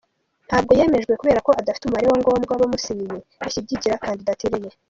• Ntabwo yemejwe kubera ko adafite umubare wa ngombwa w’abamusinyiye bashyigikira kandidatire ye.